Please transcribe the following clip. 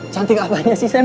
cantik apanya sih sam